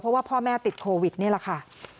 เพราะว่าพ่อแม่ติดโควิดนี่แหละค่ะ